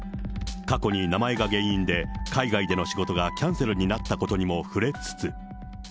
過去に名前が原因で、海外での仕事がキャンセルになったことにも触れつつ。